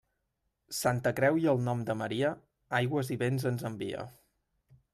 Santa Creu i el nom de Maria, aigües i vents ens envia.